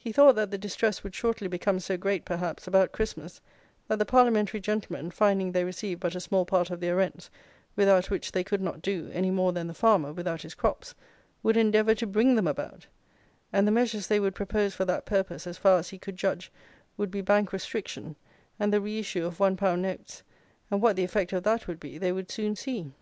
He thought that the distress would shortly become so great, perhaps, about Christmas, that the Parliamentary gentlemen, finding they received but a small part of their rents, without which they could not do, any more than the farmer, without his crops, would endeavour to bring them about; and the measures they would propose for that purpose, as far as he could judge, would be Bank restriction, and the re issue of one pound notes, and what the effect of that would be they would soon see.